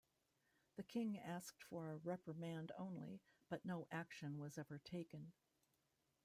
The King asked for a reprimand only, but no action was ever taken.